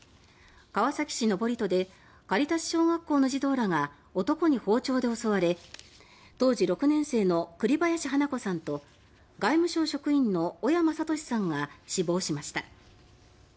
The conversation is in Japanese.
川崎市登戸でカリタス小学校の児童らが男に包丁で襲われ当時６年生の栗林華子さんと外務省職員の小山智史さんが死亡しました。